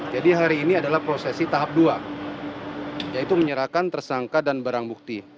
jadi hari ini adalah prosesi tahap dua yaitu menyerahkan tersangka dan barang bukti